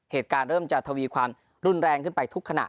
เหตุการณ์เริ่มจะทวีความรุนแรงขึ้นไปทุกขณะ